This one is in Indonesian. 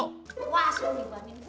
nah gimana sih aku